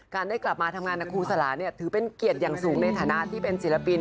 ได้กลับมาทำงานกับครูสลาเนี่ยถือเป็นเกียรติอย่างสูงในฐานะที่เป็นศิลปิน